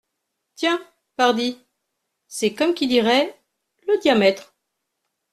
Tiens ! pardi ! c’est comme qui dirait… le diamètre !